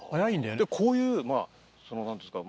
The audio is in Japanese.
こういうまあそのなんていうんですか？